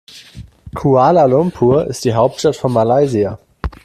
Kuala Lumpur ist die Hauptstadt von Malaysia.